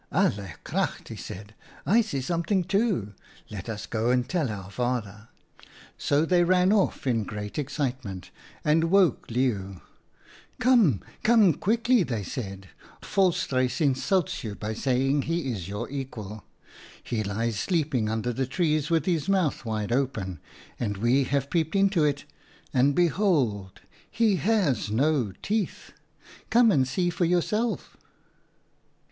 "' Alle kracht !' he said, ' I see something too. Let us go and tell our father/ M So they ran off in great excitement and woke Leeuw. ' Come, come quickly,' they said. ' Volstruis insults you by saying he is your equal. He lies sleeping under the trees with his mouth wide open, and we have peeped into it, and behold, he has no teeth ! Come and see for yourself.'